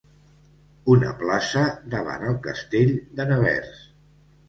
Una plaça davant el castell de Nevers.